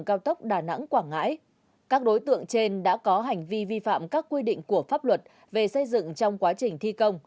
các đối tượng trên đã có hành vi vi phạm các quy định của pháp luật về xây dựng trong quá trình thi công